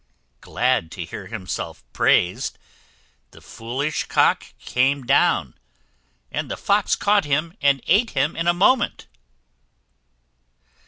Glad to hear himself praised, the foolish Cock came down, and the Fox caught him, and ate him in a moment.